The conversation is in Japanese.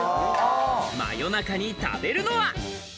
真夜中に食べるのは。